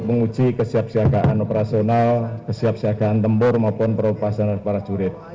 menguji kesiapsiagaan operasional kesiapsiagaan tempur maupun peroperasian para jurid